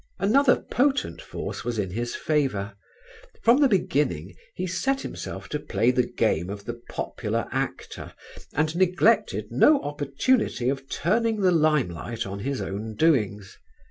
Another potent force was in his favour. From the beginning he set himself to play the game of the popular actor, and neglected no opportunity of turning the limelight on his own doings.